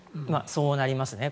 そうなりますね。